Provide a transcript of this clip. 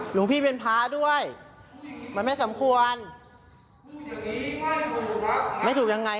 หลวงพี่ไม่ควรสำควรไปทำมัน